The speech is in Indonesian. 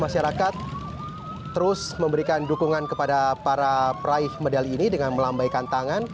masyarakat terus memberikan dukungan kepada para peraih medali ini dengan melambaikan tangan